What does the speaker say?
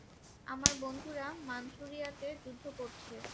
আমার বন্ধুরা মাঞ্চুরিয়াতে যুদ্ধ করছে।